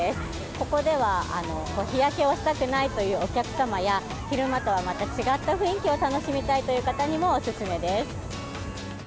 ここでは日焼けをしたくないというお客様や、昼間とはまた違った雰囲気を楽しみたいという方にもお勧めです。